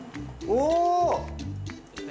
お！